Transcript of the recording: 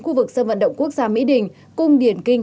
khu vực sân vận động quốc gia mỹ đình cung điển kinh